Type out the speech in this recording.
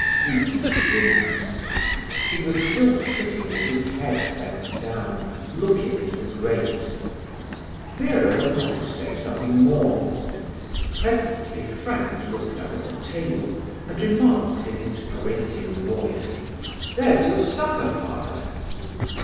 Siegmund winced. He was still sitting with his head bent down, looking in the grate. Vera went on to say something more. Presently Frank looked up at the table, and remarked in his grating voice: "There's your supper, Father."